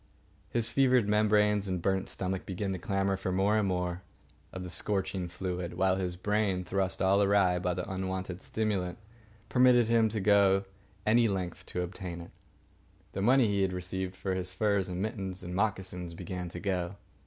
His fevered membranes and burnt stomach began to clamour for more and more of the scorching fluid; while his brain, thrust all awry by the unwonted stimulant, permitted him to go any length to obtain it. The money he had received for his furs and mittens and moccasins began to go.